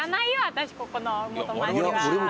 私ここの元町は。